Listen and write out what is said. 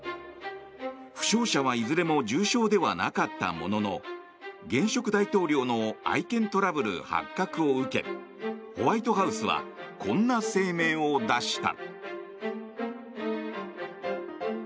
負傷者はいずれも重傷ではなかったものの現職大統領の愛犬トラブル発覚を受けホワイトハウスはこんな声明を出した。